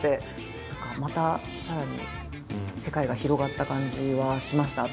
またさらに世界が広がった感じはしました私。